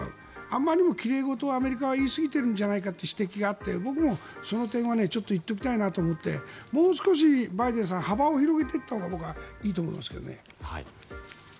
あまりにもきれいごとをアメリカは言いすぎているんじゃないかという指摘があって僕もその点はちょっと言っておきたいなと思ってもう少し、バイデンさん幅を広げていったほうが僕はいいと思うんですけどね。